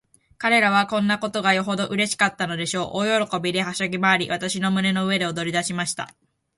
彼等はこんなことがよほどうれしかったのでしょう。大喜びで、はしゃぎまわり、私の胸の上で踊りだしました。